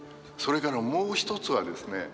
それからもう一つはですね